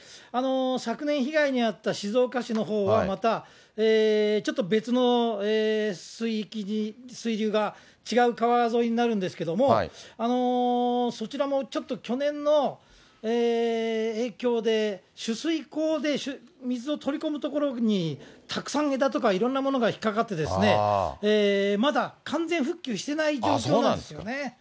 昨年被害に遭った静岡市のほうは、またちょっと別の水域に、水流が違う川沿いになるんですけども、そちらもちょっと去年の影響で、取水口で水を取り込む所にたくさん枝とか、いろんなものが引っ掛かって、まだ完全復旧してない状況なんですよね。